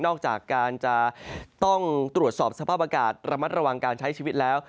ออกจากการจะต้องตรวจสอบสภาพอากาศระมัดระวังการใช้ชีวิตแล้ว